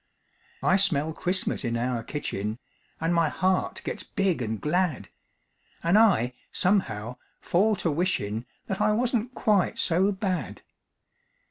I smell Christmas in our kitchen, An' my heart gets big an' glad, An' I, somehow, fall to wishin', That I wasn't quite so bad.